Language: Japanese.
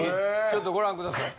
ちょっとご覧ください。